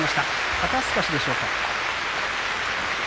肩すかしでしょうか。